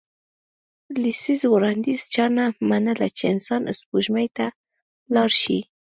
لسیزې وړاندې چا نه منله چې انسان سپوږمۍ ته لاړ شي